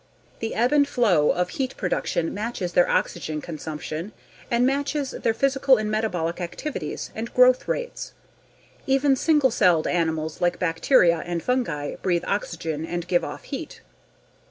The ebb and flow of heat production matches their oxygen consumption, and matches their physical and metabolic activities, and growth rates. Even single celled animals like bacteria and fungi breathe oxygen and give off heat.